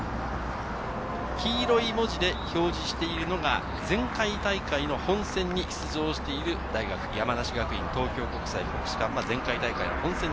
黄色い文字で表示しているのが、前回大会の本選に出場している大学、山梨学院、東京国際、国士舘。